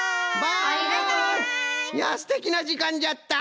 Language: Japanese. いやすてきなじかんじゃった！